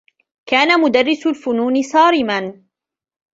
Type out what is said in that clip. كان مدرّس الفنون صارما.